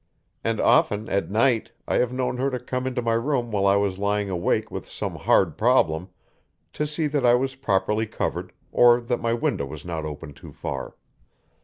And often, at night, I have known her to come into my room when I was lying awake with some hard problem, to see that I was properly covered or that my window was not open too far.